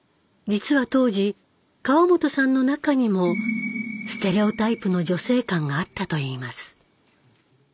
実は当時川本さんの中にもステレオタイプの女性観があったといいます。